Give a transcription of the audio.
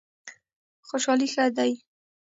خوشحالي ښه دی.